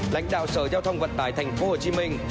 lãnh đạo sở giao thông vận tải thành phố hồ chí minh